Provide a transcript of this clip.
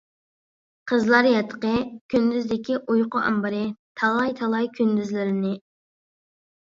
قىزلار ياتىقى كۈندۈزدىكى ئۇيقۇ ئامبىرى، تالاي-تالاي كۈندۈزلىرىنى.